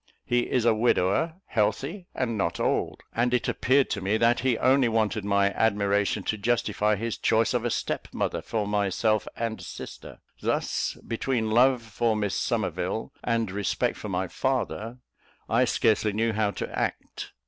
He is a widower, healthy, and not old; and it appeared to me that he only wanted my admiration to justify his choice of a step mother for myself and sister. Thus, between love for Miss Somerville, and respect for my father, I scarcely knew how to act.